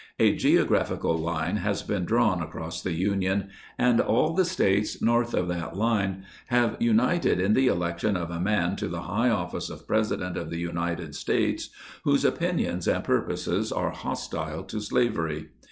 A geographical line has been drawn across the Union, and all the States north of that line have united in the election of a man to the high office of President of the United States whose opinions and purposes are hostile to slavery.